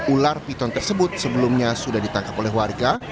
ular piton tersebut sebelumnya sudah ditangkap oleh warga